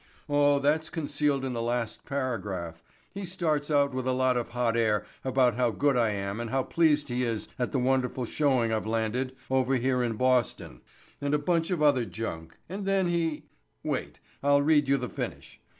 "Oh, that's concealed in the last paragraph. He starts out with a lot of hot air about how good I am and how pleased he is at the wonderful showing I've landed over here in Boston, and a bunch of other junk and then he—wait, I'll read you the finish.